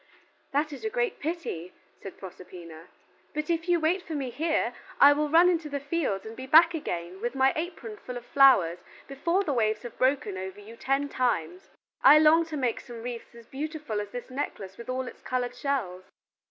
"That is a great pity," said Proserpina, "but if you wait for me here, I will run to the fields and be back again with my apron full of flowers before the waves have broken over you ten times. I long to make you some wreaths as beautiful as this necklace with all its colored shells."